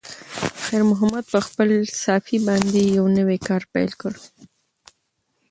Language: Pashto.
خیر محمد په خپلې صافې باندې یو نوی کار پیل کړ.